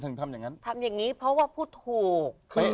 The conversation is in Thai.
ทำอย่างนี้เพราะว่าพูดถูก